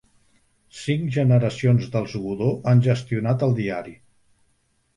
Cinc generacions dels Godó han gestionat el diari.